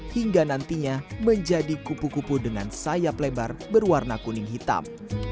hingga nantinya menjadi kupu kupu dengan sayap lebar berwarna kuning hitam